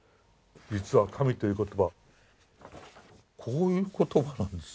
実は神という言葉はこういう言葉なんですよ。